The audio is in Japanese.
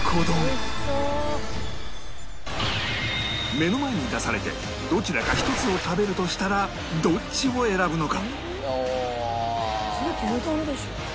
目の前に出されてどちらか１つを食べるとしたらどっちを選ぶのか？